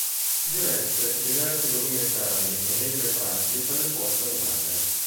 Diresse diversi documentari e mediometraggi per le forze armate.